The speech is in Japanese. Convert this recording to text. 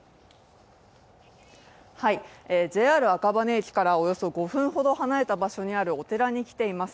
ＪＲ赤羽駅からおよそ５分ほど離れた所にあるお寺に来ています。